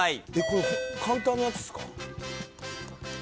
これ簡単なやつっすか？